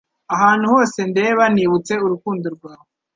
Ahantu hose ndeba nibutse urukundo rwawe